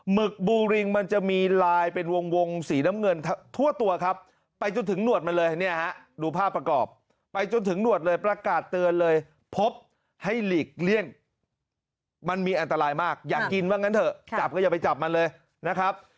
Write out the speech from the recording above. หึกบูริงมันจะมีลายเป็นวงสีน้ำเงินทั่วตัวครับไปจนถึงหนวดมันเลยเนี่ยฮะดูภาพประกอบไปจนถึงหนวดเลยประกาศเตือนเลยพบให้หลีกเลี่ยงมันมีอันตรายมากอยากกินว่างั้นเถอะจับก็อย่าไปจับมันเลยนะครับ